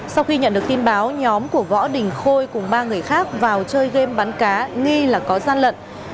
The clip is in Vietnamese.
sau khi nhận được tin báo nhóm của võ đình khôi cùng ba người khác vào chơi game bắn cá nghi là có gian lận